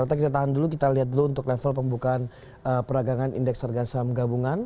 kita tahan dulu kita lihat dulu untuk level pembukaan peragangan indeks harga saham gabungan